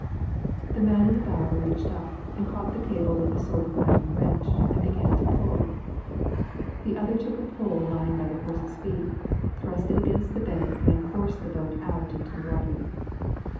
The man in the bow reached up and caught the cable with a sort of iron wrench, and began to pull. The other took a pole lying by the horses' feet, thrust it against the bank and forced the boat out into the water.